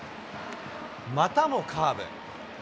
またもカーブ。